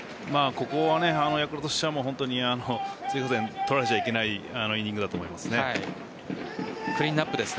ここはヤクルトとしては追加点取られちゃいけないイニングだと思います。